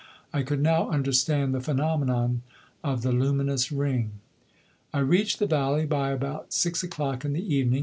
I could now understand the phenomenon of the luminous ring. I reached the valley by about six o'clock in the evening.